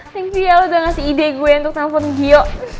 thank you ya lo udah ngasih ide gue untuk telepon gio